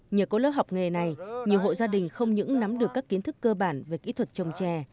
nhờ có lớp học nghề này nhiều hộ gia đình không những nắm được các kiến thức cơ bản về kỹ thuật trồng trè